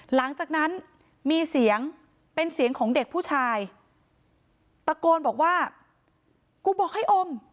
หลังจากนั้นมีเสียงเป็นเสียงของเด็กผู้ชายตะโกนบอกว่ากูบอกให้อม